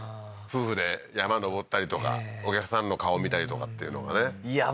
夫婦で山登ったりとかお客さんの顔見たりとかっていうのがねいや